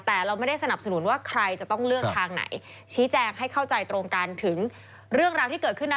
แต่เราไม่ได้สนับสนุนว่าใครจะต้องเลือกทางไหนชี้แจงให้เข้าใจตรงกันถึงเรื่องราวที่เกิดขึ้นนะ